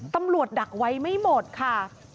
ตำรวจดักไว้ไม่หมดค่ะ